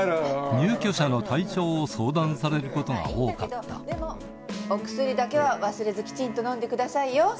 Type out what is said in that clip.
入居者の体調を相談されることが多かったお薬だけは忘れずきちんと飲んでくださいよ？